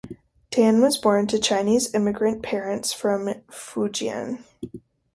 Tan was born to Chinese immigrant parents from Fujian.